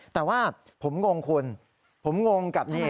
แต่ว่าผมงงคุณผมงงกับนี่